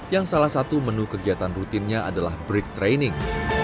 yang salah satu menu kegiatan rutinnya adalah break training